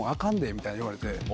みたいに言われて。